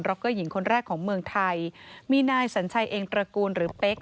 รเกอร์หญิงคนแรกของเมืองไทยมีนายสัญชัยเองตระกูลหรือเป๊ก